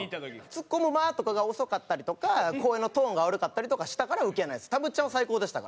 ツッコむ間とかが遅かったりとか声のトーンが悪かったりとかしたからウケないんです。